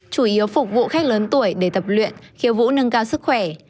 chủ yếu phục vụ khách lớn tuổi để tập luyện khiêu vũ nâng cao sức khỏe